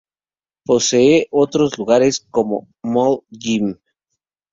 Posee otros lugares como "Mall Gym".